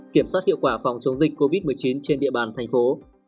kiểm soát hiệu quả phòng chống dịch covid một mươi chín trên địa bàn thành phố